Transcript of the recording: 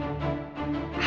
aku mau percaya dia